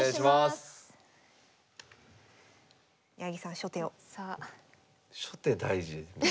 初手大事。